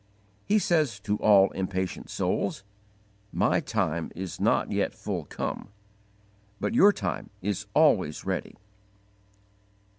He says to all impatient souls: "My time is not yet full come, but your time is always ready."